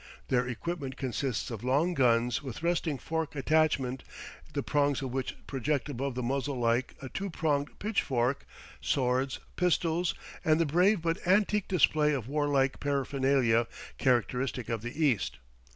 Their equipment consists of long guns with resting fork attachment, the prongs of which project above the muzzle like a two pronged pitchfork; swords, pistols, and the brave but antique display of warlike paraphernalia characteristic of the East.